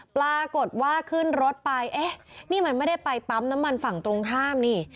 ปรากฏว่าขึ้นรถไปเอ๊ะนี่มันไม่ได้ไปปั๊มน้ำมันฝั่งตรงข้ามนี่